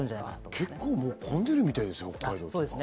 結構、もう混んでるみたいですよ、北海道。